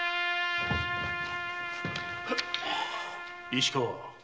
石川。